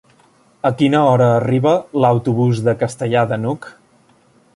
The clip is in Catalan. A quina hora arriba l'autobús de Castellar de n'Hug?